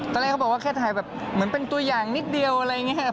ตอนแรกเขาบอกว่าแค่ถ่ายแบบเหมือนเป็นตัวอย่างนิดเดียวอะไรอย่างนี้ค่ะ